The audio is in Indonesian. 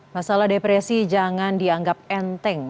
masalah depresi jangan dianggap enteng